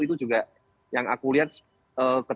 itu juga yang aku lihat ketekan tekan kedorongan